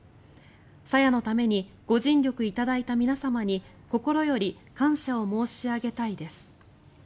朝芽のためにご尽力いただいた皆様に心より感謝を申し上げたいです。